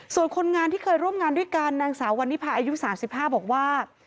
ส่วนคนงานที่เคยร่วมงานด้วยกันนางสาววันนิพาอายุ๓๕บอกว่า